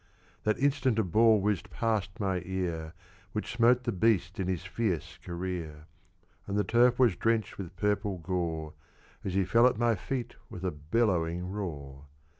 That instant a ball whizzed past my ear, Which smote the beast in his fierce career; And the turf was drenched with purple gore, As he fell at my feet with a bellowing roar.